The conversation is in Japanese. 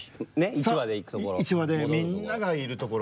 １話でみんながいるところ。